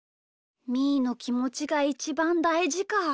みーのきもちがいちばんだいじか。